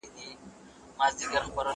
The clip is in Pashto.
ايا ته کتابونه ليکې!.